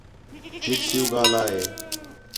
ہِک سِیُوں ڳاھلا ہِے